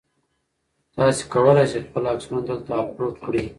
تاسي کولای شئ خپل عکسونه دلته اپلوډ کړئ.